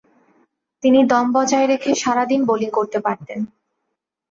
তিনি দম বজায় রেখে সারাদিন বোলিং করতে পারতেন।